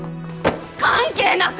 関係なか！